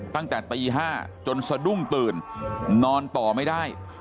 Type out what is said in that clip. ตั้งแต่ตี๕จนสะดุ้งตื่นนอนต่อไม่ได้